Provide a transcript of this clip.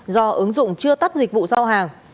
do ứng dụng chưa tắt dịch vụ giao hàng